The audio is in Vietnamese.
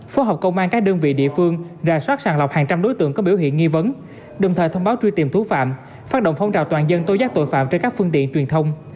phối hợp công an các đơn vị địa phương ra soát sàng lọc hàng trăm đối tượng có biểu hiện nghi vấn đồng thời thông báo truy tìm thú phạm phát động phong trào toàn dân tối giác tội phạm trên các phương tiện truyền thông